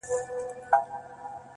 مشوره د تصمیم کیفیت لوړوي.